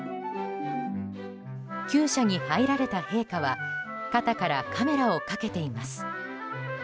厩舎に入られた陛下は肩からカメラをかけています。